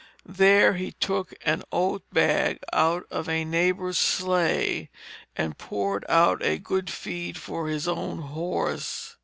There he took an oat bag out of a neighbor's sleigh and poured out a good feed for his own horse.